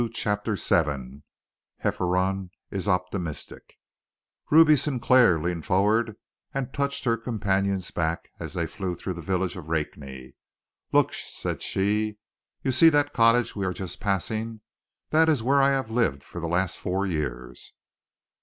CHAPTER VII HEFFEROM IS OPTIMISTIC Ruby Sinclair leaned forward and touched her companion's back as they flew through the village of Rakney. "Look," said she. "You see that cottage we are just passing? That is where I have lived for the last four years."